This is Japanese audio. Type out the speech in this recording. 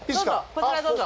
こちらへどうぞ。